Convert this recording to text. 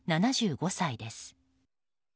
７５歳です。